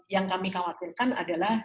yang kami khawatirkan adalah